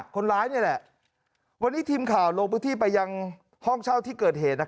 คนร้ายนี่แหละวันนี้ทีมข่าวลงพื้นที่ไปยังห้องเช่าที่เกิดเหตุ